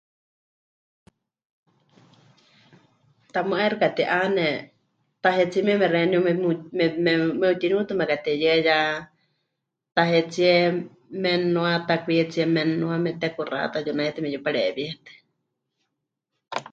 Tamɨ́ 'aixɨ kati'ane tahetsíe mieme xeeníu memu... me... me... me'utiniutɨ mekateyɨa ya tahetsíe memɨnua, takwietsie memɨnua memɨtekuxata yunaitɨ meyupareewíetɨ.